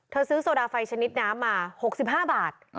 ซื้อโซดาไฟชนิดน้ำมา๖๕บาท